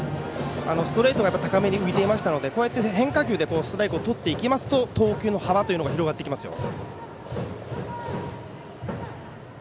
ストレートが高めに浮いていましたので変化球でストライクをとっていきますと投球の幅が広がってきますよ。